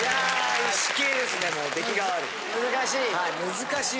難しい。